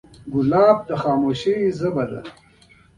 ګلاب د خاموشۍ ژبه ده.